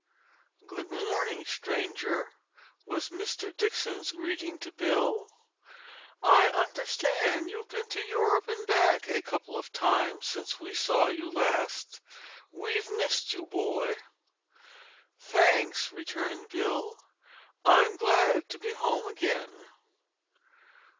"Good morning, stranger," was Mr. Dixon's greeting to Bill. "I understand you've been to Europe and back a couple of times since we saw you last. We've missed you, boy." "Thanks," returned Bill. "I'm glad to be home again."